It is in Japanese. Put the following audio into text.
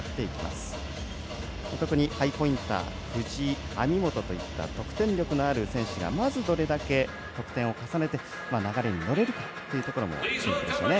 特にハイポインター藤井、網本といった得点力のある選手がまずどれだけ得点を重ねて流れに乗れるかというところもポイントでしょうね。